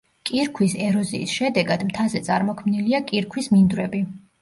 კირქვის ეროზიის შედეგად, მთაზე წარმოქმნილია კირქვის მინდვრები.